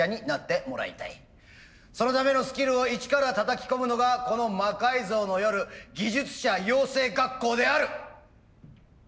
そのためのスキルを一からたたき込むのがこの「魔改造の夜技術者養成学校」である。